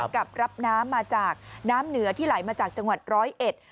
กับรับน้ำมาจากน้ำเหนือที่ไหลมาจากจังหวัดร้อยเอ็ด